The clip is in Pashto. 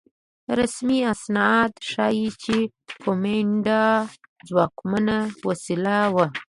رسمي اسناد ښيي چې کومېنډا ځواکمنه وسیله وه.